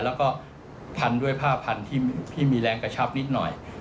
แล้วก็พันด้วยผ้าพันธุ์ที่มีแรงกระชับนิดหน่อย